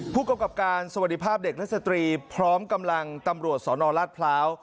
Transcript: ผู้กำกับการสวัสดีภาพเด็กและสตรีพร้อมกำลังตำรวจสนราชพร้าว